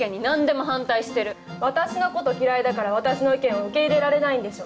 私の事嫌いだから私の意見を受け入れられないんでしょ。